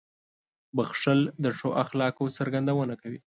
• بښل د ښو اخلاقو څرګندونه کوي.